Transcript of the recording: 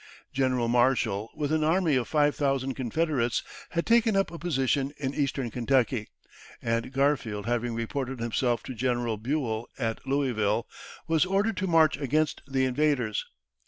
General Marshall, with an army of 5000 Confederates, had taken up a position in Eastern Kentucky; and Garfield, having reported himself to General Buell at Louisville, was ordered to march against the invaders.